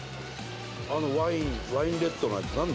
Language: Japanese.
あのワインレッドのやつなんだ？